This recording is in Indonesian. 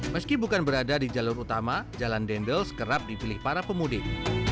meski bukan berada di jalur utama jalan dendels kerap dipilih para pemudik